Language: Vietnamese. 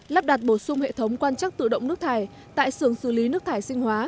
lắp đặt bổ sung hệ thống quan trắc tự động nước thải tại xưởng xử lý nước thải sinh hóa